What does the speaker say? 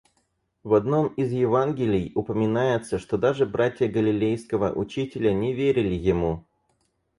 В одном из Евангелий упоминается, что даже братья Галилейского учителя не верили ему.